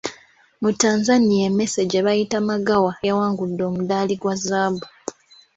Mu Tanzania emmese gye bayita Magawa yawangudde omuddaali gwa zaabu.